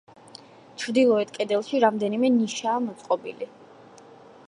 ჩრდილოეთ კედელში რამდენიმე ნიშაა მოწყობილი.